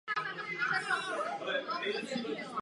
Hraje na postu krajního nebo středního záložníka.